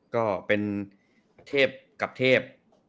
ก็เป็นเทพกับเทพ